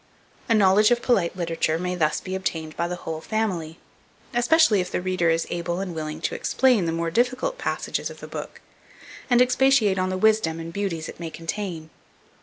A knowledge of polite literature may be thus obtained by the whole family, especially if the reader is able and willing to explain the more difficult passages of the book, and expatiate on the wisdom and beauties it may contain.